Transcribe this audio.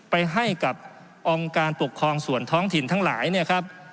ไปให้กับองค์การปกครองส่วนท้องถิ่นทั้งหลายเนี่ยครับ